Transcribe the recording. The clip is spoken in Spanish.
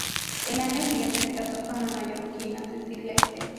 Al año siguiente se casó con la mallorquina Cecilia Esteva.